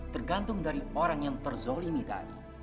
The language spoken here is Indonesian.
tergantung dari orang yang terzolimi tadi